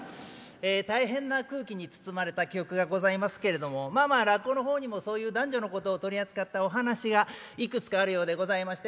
ええ大変な空気に包まれた記憶がございますけれどもまあまあ落語の方にもそういう男女のことを取り扱ったお噺がいくつかあるようでございまして。